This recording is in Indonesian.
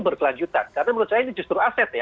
berkelanjutan karena menurut saya ini justru aset ya